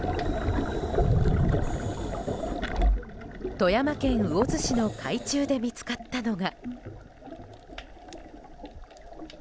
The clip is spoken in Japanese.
富山県魚津市の海中で見つかったのが。